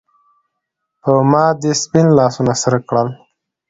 پۀ ما دې سپین لاسونه سرۀ کړل